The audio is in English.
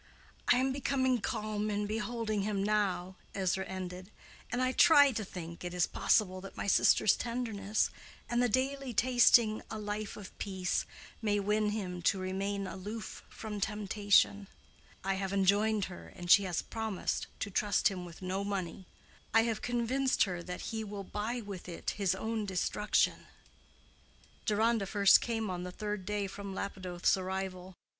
"I am become calm in beholding him now," Ezra ended, "and I try to think it possible that my sister's tenderness, and the daily tasting a life of peace, may win him to remain aloof from temptation. I have enjoined her, and she has promised, to trust him with no money. I have convinced her that he will buy with it his own destruction." Deronda first came on the third day from Lapidoth's arrival.